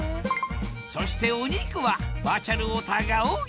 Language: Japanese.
そしてお肉はバーチャルウォーターが多い！